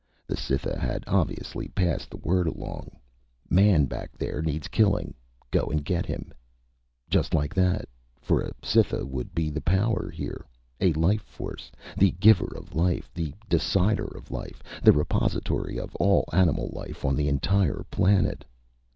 The Cytha had obviously passed the word along: Man back there needs killing. Go and get him. Just like that, for a Cytha would be the power here. A life force, the giver of life, the decider of life, the repository of all animal life on the entire planet.